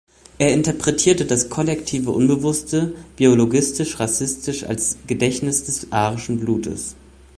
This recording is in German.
Er interpretierte das kollektive Unbewusste biologistisch-rassistisch als „Gedächtnis des arischen Blutes“.